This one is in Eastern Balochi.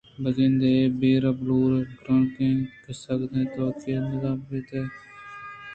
بہ گندے اے بئیر ءِ بلور گراکے ئیگ اِنت سُدّ ءَ نہ اِنت ءُتوکءَ آئی ءِ زال ءَ پہ توار ءَ مُرت ءُ ایر بوت ایشی ءِ گوش ءَ مورے نہ وارت